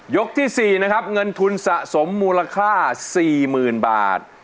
ที่๔นะครับเงินทุนสะสมมูลค่า๔๐๐๐บาท